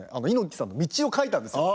猪木さんの「道」を書いたんです。